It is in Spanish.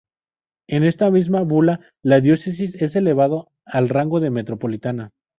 En esta misma bula la diócesis es elevada al rango de metropolitana.